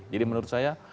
jadi menurut saya